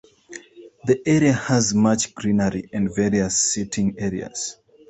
The area has much greenery and various seating areas.